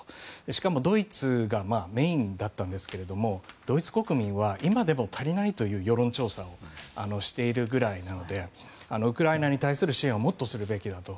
しかもドイツがメインだったんですけれどもドイツ国民は今でも足りないという世論調査をしているぐらいなのでウクライナに対する支援をもっとするべきだと。